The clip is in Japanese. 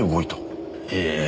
ええ。